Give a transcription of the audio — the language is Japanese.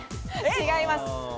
違います。